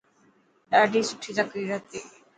ڏاڌي سٺي تقرير هتي.